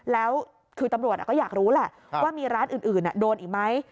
แล้วคือตำรวจก็อยากรู้แหละว่ามีร้านอื่นโดนอีกไหม